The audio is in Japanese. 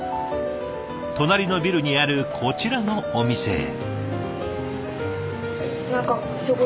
隣のビルにあるこちらのお店へ。